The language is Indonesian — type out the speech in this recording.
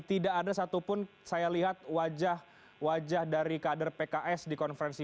tidak ada satupun saya lihat wajah wajah dari kader pks di konferensi